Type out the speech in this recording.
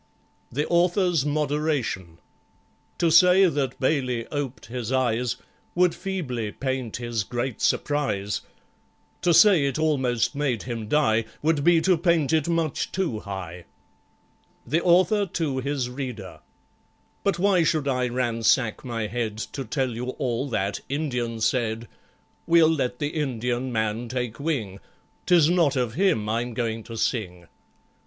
The Author's Moderation To say that BAILEY oped his eyes Would feebly paint his great surprise— To say it almost made him die Would be to paint it much too high. The Author to his Reader But why should I ransack my head To tell you all that Indian said; We'll let the Indian man take wing,— 'Tis not of him I'm going to sing.